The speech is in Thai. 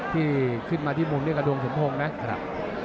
ที่ขึ้นมาที่มุมด้วยกระดวงสมพงศ์น่ะ